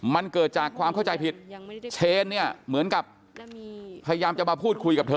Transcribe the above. มันเกิดจากความเข้าใจผิดเชนเนี่ยเหมือนกับพยายามจะมาพูดคุยกับเธอ